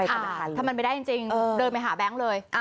ถ้ามันไม่ได้จริงเดินไปหาแบงค์เลย